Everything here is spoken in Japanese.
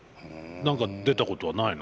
何か出たことはないの？